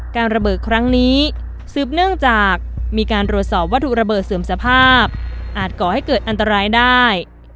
การระเบิดครั้งนี้สืบเนื่องจากมีการรวดสอบวัตถุระเบิดเสื่อมสภาพอาจก่อให้เกิดอันตรายได้